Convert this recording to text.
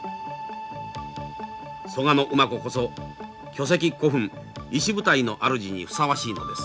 蘇我馬子こそ巨石古墳石舞台の主にふさわしいのです。